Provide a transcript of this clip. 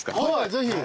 ぜひ。